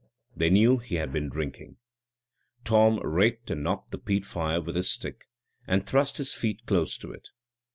They knew he had been drinking. Tom raked and knocked the peat fire with his stick, and thrust his feet close to it.